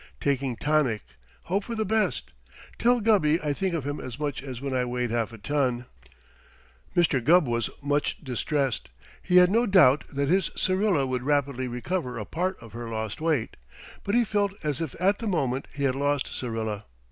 Taking tonic. Hope for the best. Tell Gubby I think of him as much as when I weighed half a ton. Mr. Gubb was much distressed. He had no doubt that his Syrilla would rapidly recover a part of her lost weight, but he felt as if at the moment he had lost Syrilla.